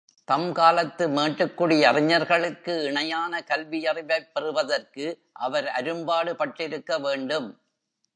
தம் காலத்து மேட்டுக்குடி அறிஞர்களுக்கு இணையான கல்வியறிவைப் பெறுவதற்கு அவர் அரும்பாடுபட்டிருக்க வேண்டும்.